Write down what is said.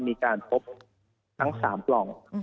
มีการพบทั้ง๓ปล่อง